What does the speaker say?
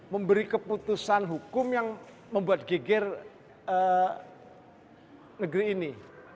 memberi keputusan hukum yang membuat geger negeri ini